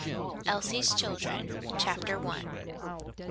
F. Elsie's Children. CHAPTER FIRST.